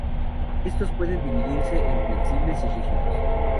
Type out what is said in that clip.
Estos pueden dividirse en flexibles y rígidos.